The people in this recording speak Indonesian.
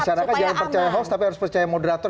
masyarakat jangan percaya hoax tapi harus percaya moderator